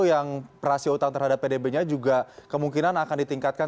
yang rasio utang terhadap pdb nya juga kemungkinan akan ditingkatkan